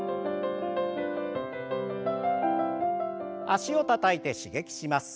脚をたたいて刺激します。